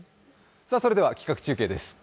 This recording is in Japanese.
それでは企画中継です。